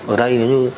ở đây nếu như